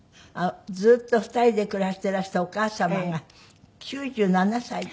ずっと２人で暮らしていらしたお母様が９７歳で。